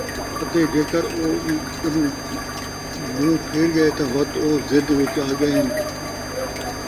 اَتے جیکر او اِیں کنُوں مُنہ پھیر ڳئے تاں وَت او ضِد وِچ آڳیئن،